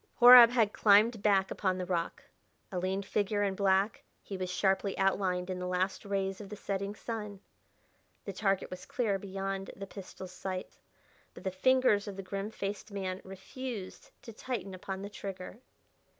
Horab had climbed back upon the rock. A lean figure and black, he was sharply outlined in the last rays of the setting sun; the target was clear beyond the pistol's sights. But the fingers of the grim faced man refused to tighten upon the trigger.